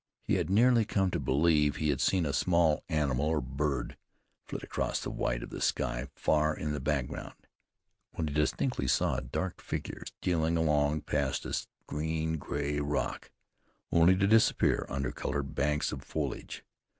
He had nearly come to believe he had seen a small animal or bird flit across the white of the sky far in the background, when he distinctly saw dark figures stealing along past a green gray rock, only to disappear under colored banks of foliage.